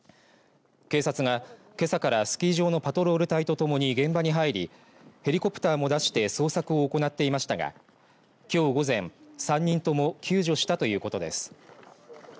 警察が、けさからスキー場のパトロール隊とともに現場に入りヘリコプターも出して捜索を行っていましたがきょう午前、３人とも救助したということです。